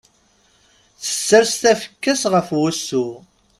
Tessers tafekka-s ɣef wussu.